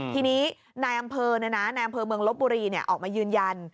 ทีนี้นายอำเภอนายอำเภอเมืองลบบุรีออกมายืนยัน